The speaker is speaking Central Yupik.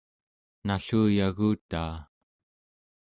nalluyagutaa